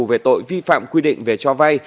về tội vi phạm quy định về cho vay